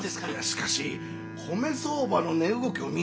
しかし米相場の値動きを見通すなど！